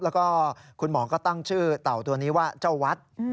แล้วก็คุณหมอก็ตั้งชื่อเต่าตัวนี้ว่าเจ้าวัด